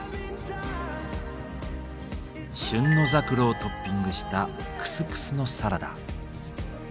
旬のザクロをトッピングしたクスクスのサラダ。